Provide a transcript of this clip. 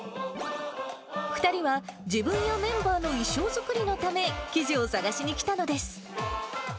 ２人は自分やメンバーの衣装作りのため、生地を探しにきたのです。